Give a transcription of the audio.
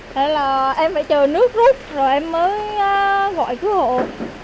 thế là em phải chờ nước hết rồi em mới gọi cứu hộ